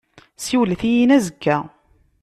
Siwlet-iyi-n azekka.